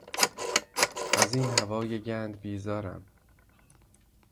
از این هوای گند بیزارم!